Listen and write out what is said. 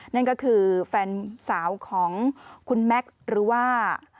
นั่นก็คือแฟนสาวของคุณแม็กซ์หรือว่า